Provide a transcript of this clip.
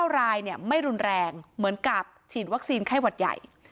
๙รายไม่รุนแรงเหมือนกับฉีดวัคซีนไข้หวัดใหญ่